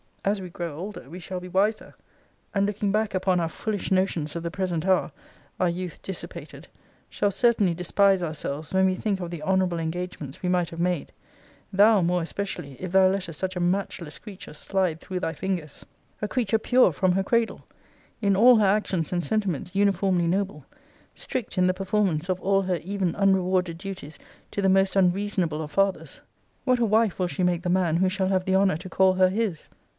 As we grow older, we shall be wiser, and looking back upon our foolish notions of the present hour, (our youth dissipated,) shall certainly despise ourselves when we think of the honourable engagements we might have made: thou, more especially, if thou lettest such a matchless creature slide through thy fingers. A creature pure from her cradle. In all her actions and sentiments uniformly noble. Strict in the performance of all her even unrewarded duties to the most unreasonable of fathers; what a wife will she make the man who shall have the honour to call her his!